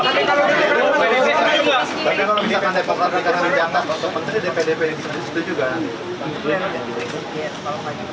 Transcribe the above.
kalau misalkan depokrat bintang jatah kota menteri dpdp itu juga